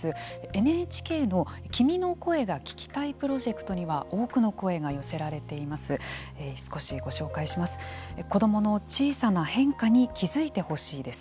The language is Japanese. ＮＨＫの「君の声が聴きたい」プロジェクトには多くの声が寄せられています。